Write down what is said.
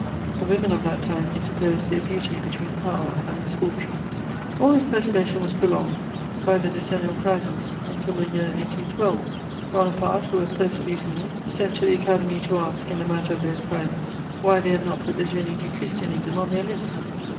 The women of that time interposed their beauty between power and misfortune. [Sidenote: Bonaparte's comments.] All this perturbation was prolonged, by the decennial prizes, until the year 1812. Bonaparte, who was persecuting me, sent to the Academy to ask, in the matter of those prizes, why they had not put the Génie du Christianisme on their list.